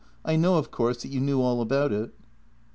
I know, of course, that you knew all about it."